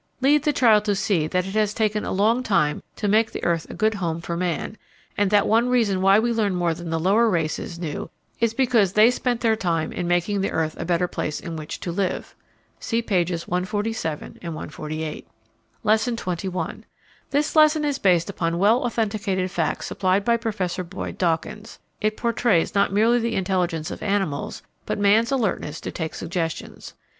Lead the child to see that it has taken a long time to make the earth a good home for man, and that one reason why we can learn more than the lower races knew is because they spent their time in making the earth a better place in which to live. (See pp. 147 148.) Lesson XXI. This lesson is based upon well authenticated facts supplied by Professor Boyd Dawkins. It portrays not merely the intelligence of animals, but man's alertness to take suggestions.